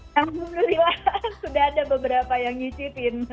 alhamdulillah sudah ada beberapa yang ngisipin